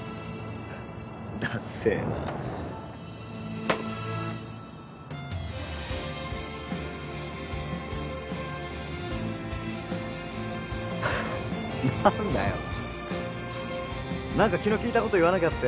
だせえな何だよ何か気の利いたこと言わなきゃって？